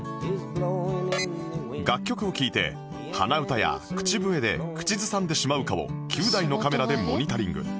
楽曲を聴いて鼻歌や口笛で口ずさんでしまうかを９台のカメラでモニタリング